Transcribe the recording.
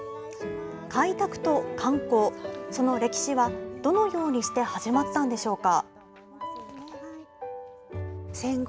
開拓と観光、その歴史は、どのようにして始まったんでしょうか。